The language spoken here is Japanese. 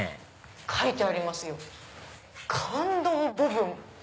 書いてありますよ「感動ボブン」。